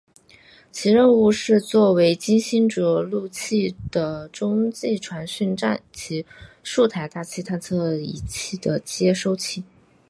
其任务是做为金星着陆器的中继传讯站及数台大气探测仪器的接收器。